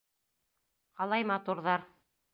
Ҡалай матурҙар!